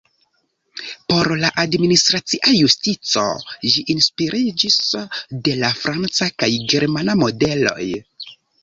Por la administracia justico ĝi inspiriĝis de la franca kaj germana modeloj.